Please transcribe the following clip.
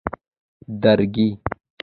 درگۍ